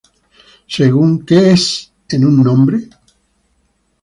Según "What's in a Name?